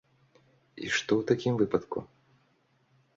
І што ў такім выпадку?